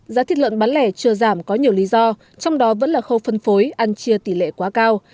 giá thịt lợn bán lẻ chưa giảm có nhiều lý do trong đó vẫn là khâu phân phối ăn chia tỷ lệ quá cao